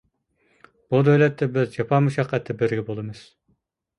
بۇ دۆلەتتە بىز جاپا-مۇشەققەتتە بىرگە بولىمىز.